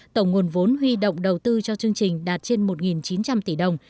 tổng nguồn vốn huy động đầu tư cho chương trình đạt trên một chín trăm linh tỷ đồng